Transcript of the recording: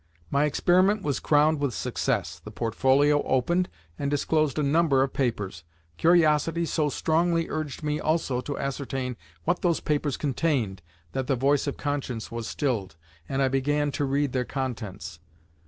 My experiment was crowned with success. The portfolio opened and disclosed a number of papers. Curiosity so strongly urged me also to ascertain what those papers contained that the voice of conscience was stilled, and I began to read their contents.